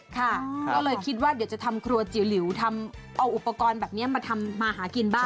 ก็เลยคิดว่าเดี๋ยวจะทำครัวจิ๋วหลิวทำเอาอุปกรณ์แบบนี้มาทำมาหากินบ้าง